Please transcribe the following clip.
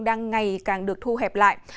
đang ngày càng được thu hẹp lại